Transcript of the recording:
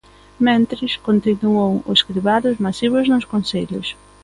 Mentres, continúan os cribados masivos nos concellos.